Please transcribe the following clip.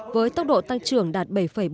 với tốc độ tăng trưởng đạt bảy bốn mươi tám